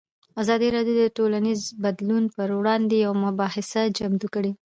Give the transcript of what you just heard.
ازادي راډیو د ټولنیز بدلون پر وړاندې یوه مباحثه چمتو کړې.